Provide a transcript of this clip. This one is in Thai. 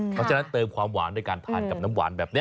เพราะฉะนั้นเติมความหวานด้วยการทานกับน้ำหวานแบบนี้